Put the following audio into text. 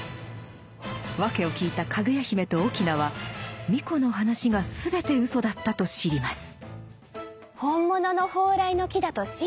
訳を聞いたかぐや姫と翁は皇子の話が全て嘘だったと知ります。